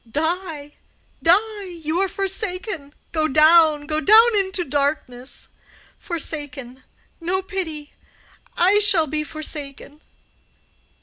Die—die—you are forsaken—go down, go down into darkness. Forsaken—no pity—I shall be forsaken."